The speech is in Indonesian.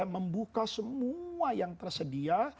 membuka semua yang tersedia